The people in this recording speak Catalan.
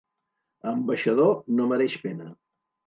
Ambaixador no mereix pena.